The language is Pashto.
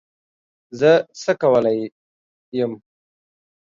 زه څه کولای یم